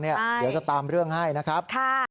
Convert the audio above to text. เดี๋ยวจะตามเรื่องให้นะครับ